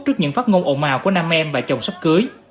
trước những phát ngôn ồn ào của nam em và chồng sắp cưới